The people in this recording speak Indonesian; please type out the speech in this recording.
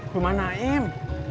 ke rumah naim